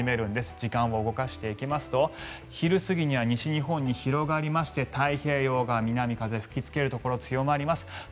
時間を動かしていきますと昼過ぎには西日本に広がりまして太平洋側南風吹きつけるところが強まります。